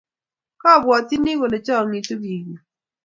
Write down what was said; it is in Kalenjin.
Kimabwatyini kole changitu biik yuu